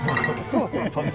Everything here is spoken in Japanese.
そうそう。